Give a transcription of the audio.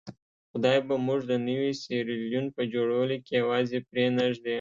خدای به موږ د نوي سیریلیون په جوړولو کې یوازې پرې نه ږدي.